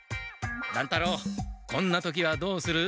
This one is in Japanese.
乱太郎こんな時はどうする？